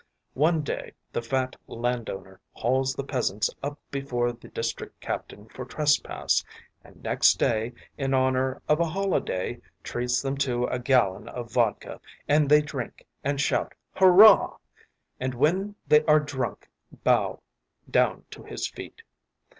One day the fat landowner hauls the peasants up before the district captain for trespass, and next day, in honour of a holiday, treats them to a gallon of vodka, and they drink and shout ‘Hurrah!’ and when they are drunk bow down to his feet.